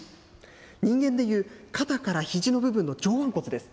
人間でいう肩からひじの部分の上腕骨です。